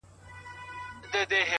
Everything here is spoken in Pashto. د پښتنو درنې جرګې به تر وړۍ سپکي سي-